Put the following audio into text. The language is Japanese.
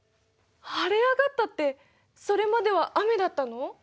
晴れ上がったってそれまでは雨だったの？